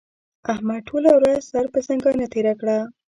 احمد ټوله ورځ سر پر ځنګانه تېره کړه.